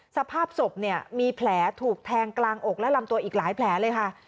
สภาพศพเนี่ยมีแผลถูกแทงกลางอกและลำตัวอีกหลายแผลเลยค่ะ